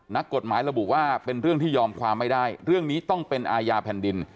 นักกฎหมายระบุว่าเป็นเรื่องที่ยอมความไม่ได้เรื่องนี้ต้องเป็นอาญาแผ่นดิน